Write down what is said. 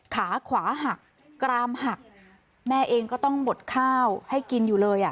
ขาขวาหักกรามหักแม่เองก็ต้องบดข้าวให้กินอยู่เลยอ่ะ